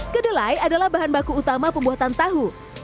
kedelai adalah bahan baku utama pembuatan tahu